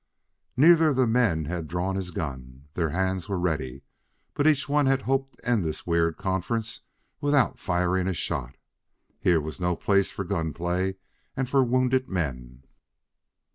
Neither of the men had drawn his gun. Their hands were ready, but each had hoped to end this weird conference without firing a shot. Here was no place for gun play and for wounded men.